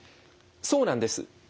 そうなんです。